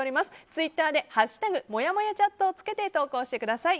ツイッターで「＃もやもやチャット」をつけて投稿してください。